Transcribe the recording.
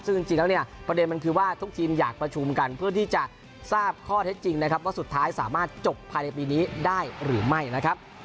ซึ่งจริงแล้วเนี่ยประเด็นมันคือว่าทุกทีมอยากประชุมกันเพื่อที่จะทราบข้อเท็จจริงนะครับว่าสุดท้ายสามารถจบภายในปีนี้ได้หรือไม่นะครับ